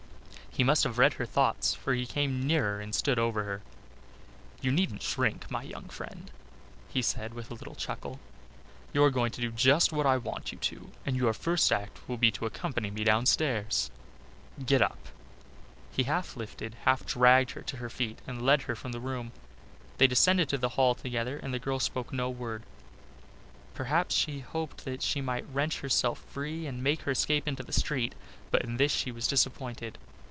He must have read her thoughts for he came nearer and stood over her. "You needn't shrink, my young friend," he said with a little chuckle. "You are going to do just what I want you to do, and your first act will be to accompany me downstairs. Get up." He half lifted, half dragged her to her feet and led her from the room. They descended to the hall together and the girl spoke no word. Perhaps she hoped that she might wrench herself free and make her escape into the street, but in this she was disappointed.